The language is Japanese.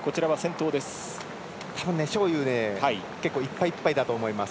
章勇、たぶんいっぱいいっぱいだと思います。